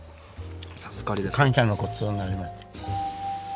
感謝のごちそうになります。